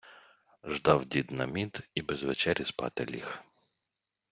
Ждав дід на мід і без вечері спати ліг.